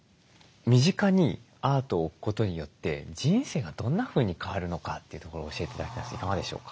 身近にアートを置くことによって人生がどんなふうに変わるのかというところを教えて頂きたいんですけどいかがでしょうか？